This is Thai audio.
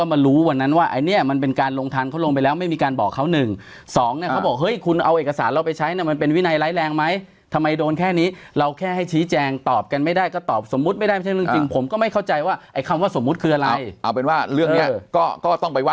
ผู้ใหญ่บ้านก็ไม่พอใจก็เลยไปยื่นเรื่องถอดถอนออกจากตำแหน่ง